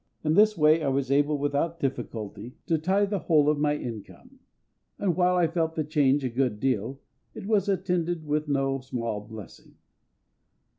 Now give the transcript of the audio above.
In this way I was able without difficulty to tithe the whole of my income; and while I felt the change a good deal, it was attended with no small blessing.